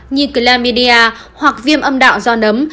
như chlamydia hoặc viêm âm đạo do nấm